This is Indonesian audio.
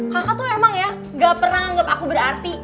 kakak tuh emang ya gak pernah anggap aku berarti